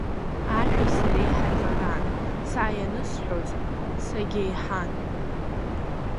Ашәеи сареи ҳаиҟаран, са ианысҳәоз сагьеиҳан.